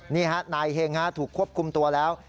นี่ฮะนายเฮงถูกควบคุมตัวแล้ว